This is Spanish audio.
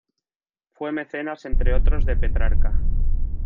Fue mecenas entre otros de Petrarca.